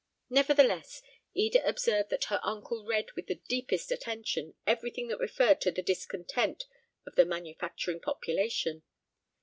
Nevertheless, Eda observed that her uncle read with the deepest attention everything that referred to the discontent of the manufacturing population.